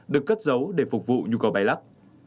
được cất giấu để phục vụ nhu cầu bay lắc